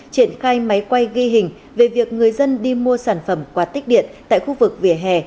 triển khai máy quay ghi hình về việc người dân đi mua sản phẩm quạt tích điện tại khu vực vỉa hè